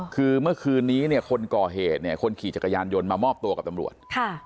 คือเมื่อคืนนี้เนี่ยคนก่อเหตุเนี่ยคนขี่จักรยานยนต์มามอบตัวกับตำรวจ